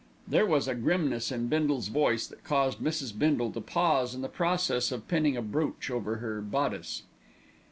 There was a grimness in Bindle's voice that caused Mrs. Bindle to pause in the process of pinning a brooch in her bodice.